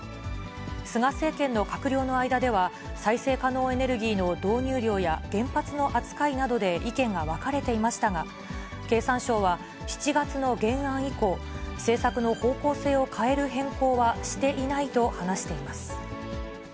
菅政権の閣僚の間では、再生可能エネルギーの導入量や、原発の扱いなどで意見が分かれていましたが、経産省は、７月の原案以降、政策の方向性を変える変更はしていないと話しています。